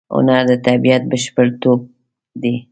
هنر د طبیعت بشپړتوب دی.